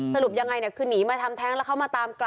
สรุปยังไงเนี่ยคือหนีมาทำแท้งแล้วเขามาตามกลับ